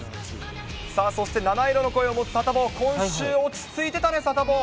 そして七色の声を持つサタボー、今週落ち着いてたね、サタボー。